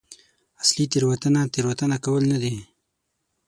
اصلي تېروتنه تېروتنه کول نه دي.